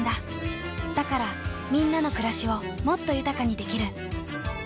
だからみんなの暮らしをもっと豊かにできる。